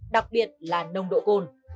đặc biệt là nồng độ cồn